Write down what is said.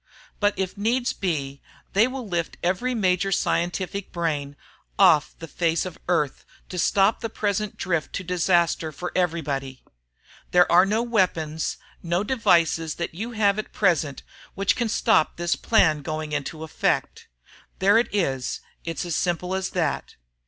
But if needs be, they will lift every major scientific brain off the face of Earth to stop the present drift to disaster for everybody. There are no weapons, no devices that you have at present, which can stop this plan going into effect. There it is it's as simple as that.